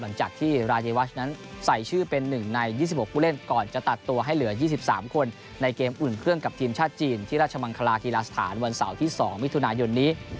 หลังจากที่รายวัชนั้นใส่ชื่อเป็น๑ใน๒๖ผู้เล่นก่อนจะตัดตัวให้เหลือ๒๓คนในเกมอุ่นเครื่องกับทีมชาติจีนที่ราชมังคลากีฬาสถานวันเสาร์ที่๒มิถุนายนนี้